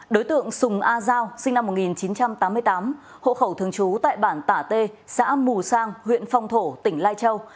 đối tượng sùng a giao sinh năm một nghìn chín trăm tám mươi tám hộ khẩu thường trú tại bản tả t xã mù sang huyện phong thổ tỉnh lai châu